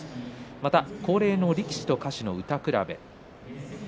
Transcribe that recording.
また、恒例の力士と歌手の歌くらべ。